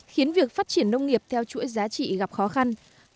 khiến việc phát triển nông nghiệp theo chuỗi giá trị gặp khó khăn